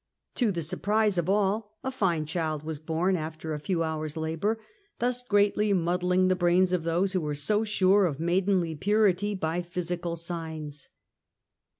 To the surprise of all a fine child was born after a few hours labor, thus greatly muddling the brains of those who are so sure of maidenly purit}^ by physical signs.